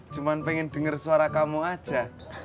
cuma pengen dengar suara kamu aja